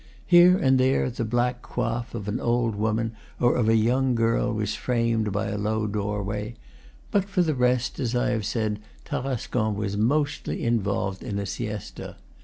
Here and there the black coif of an old woman or of a young girl was framed by a low doorway; but for the rest, as I have said, Tarascon was mostly involved in a siesta.